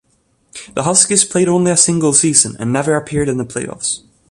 The Huskies played only a single season and never appeared in the playoffs.